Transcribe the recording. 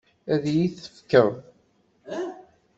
Ad iyi-t-tefkeḍ?